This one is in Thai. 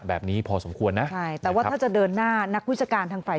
แบบนี้พอสมควรนะใช่แต่ว่าถ้าจะเดินหน้านักวิชาการทางฝ่าย